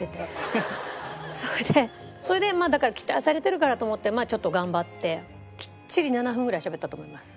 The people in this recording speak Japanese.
それでそれでまあだから期待されてるからと思ってちょっと頑張ってきっちり７分ぐらいしゃべったと思います。